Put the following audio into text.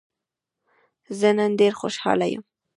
زه نن ډېر خوشحاله يم.